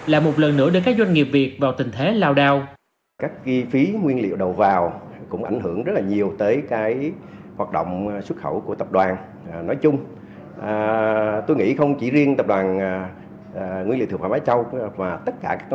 là một lần nữa để các doanh nghiệp có thể tăng cao